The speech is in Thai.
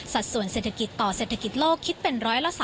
ส่วนเศรษฐกิจต่อเศรษฐกิจโลกคิดเป็น๑๓